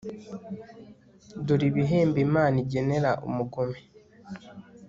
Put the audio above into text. dore ibihembo imana igenera umugome